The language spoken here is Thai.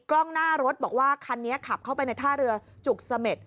กล้องหน้ารถบอกว่าคันนี้ขับเข้าไปในท่าเรือจุกเสม็ด